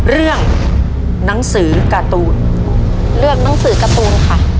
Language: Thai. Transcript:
เรื่องหนังสือการ์ตูนเลือกหนังสือการ์ตูนค่ะ